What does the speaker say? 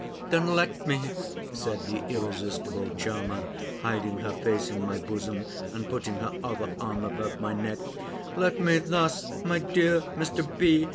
"Then let me," said the irresistible charmer, hiding her face in my bosom, and putting her other arm about my neck, "let me thus, my dear Mr. B.